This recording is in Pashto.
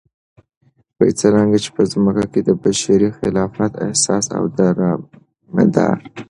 څرنګه چې په ځمكه كې دبشري خلافت اساس او دارمدار